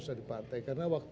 saya sudah berpunca